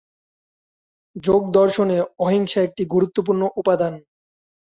যোগদর্শনে অহিংসা একটি গুরুত্বপূর্ণ উপাদান।